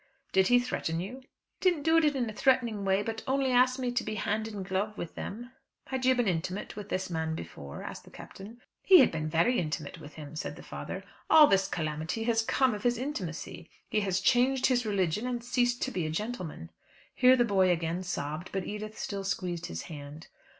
"Did he threaten you?" "He didn't do it in a threatening way; but only asked me to be hand and glove with them." "Had you been intimate with this man before? asked the Captain. "He had been very intimate with him," said the father. "All this calamity has come of his intimacy. He has changed his religion and ceased to be a gentleman." Here the boy again sobbed, but Edith still squeezed his hand.